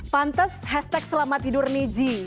pantes hashtag selamat tidur niji